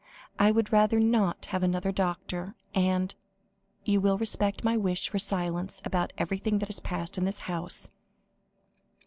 "I would rather not have another doctor, and you will respect my wish for silence about everything that has passed in this house?"